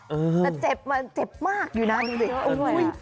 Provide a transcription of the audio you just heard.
แต่เจ็บมาเจ็บมากอู่นั้นทุกวัน